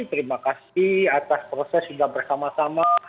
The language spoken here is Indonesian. terima kasih atas proses sudah bersama sama